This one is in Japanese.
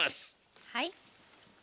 はい。